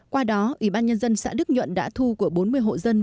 qua đó ủy ban nhân dân xã đức nhuận đã thu của bốn mươi triệu đồng